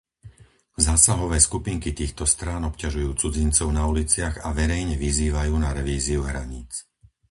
Zásahové skupinky týchto strán obťažujú cudzincov na uliciach a verejne vyzývajú na revíziu hraníc.